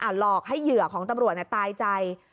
หลอกให้เหยื่อของตำรวจตายใจ